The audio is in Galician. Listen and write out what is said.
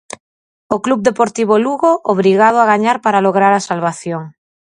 O Club Deportivo Lugo, obrigado a gañar para lograr a salvación.